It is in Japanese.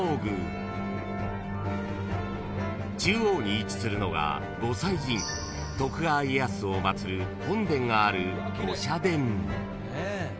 ［中央に位置するのが御祭神徳川家康を祭る本殿がある］